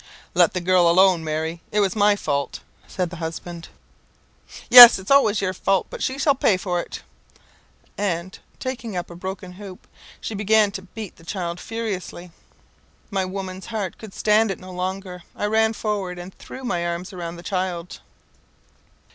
"Let the girl alone, Mary; it was my fault," said the husband. "Yes, it always is your fault! but she shall pay for it;" and, taking up a broken hoop, she began to beat the child furiously. My woman's heart could stand it no longer. I ran forward, and threw my arms round the child.